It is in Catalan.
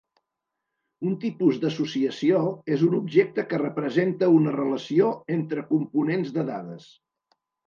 Un tipus d'associació és un objecte que representa una relació entre components de dades.